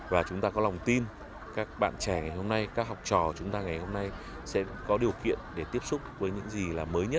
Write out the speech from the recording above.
và chúng ta có lòng tin các bạn trẻ ngày hôm nay các học trò chúng ta ngày hôm nay sẽ có điều kiện để tiếp xúc với những gì là mới nhất